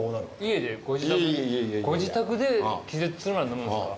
ご自宅で気絶するまで飲むんすか？